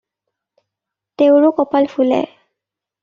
তেওঁৰো কপাল ফুলে।